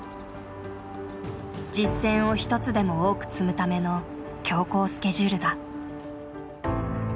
実戦を一つでも多く積むための強行スケジュールだ。